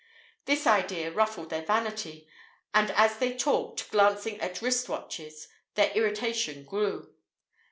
This idea ruffled their vanity, and as they talked, glancing at wrist watches, their irritation grew.